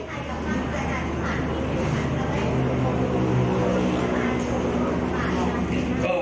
อืม